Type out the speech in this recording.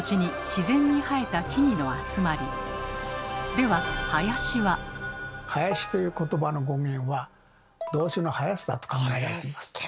では「林」ということばの語源は動詞の「生やす」だと考えられています。